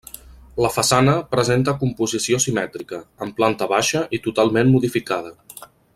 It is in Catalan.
La façana presenta composició simètrica, amb planta baixa i totalment modificada.